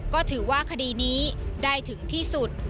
ก็ถือว่าคดีนี้ได้ถึงที่สุด